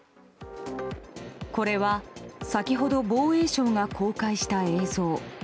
これは先ほど防衛省が公開した映像。